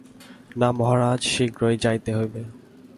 না মহারাজ, শীঘ্রই যাইতে হইবে।